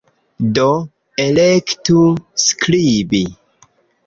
Do, elektu "skribi"